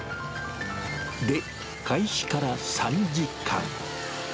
で、開始から３時間。